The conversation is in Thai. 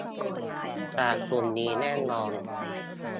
จากกลุ่มนี้แน่นอน